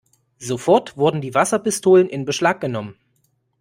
Sofort wurden die Wasserpistolen in Beschlag genommen.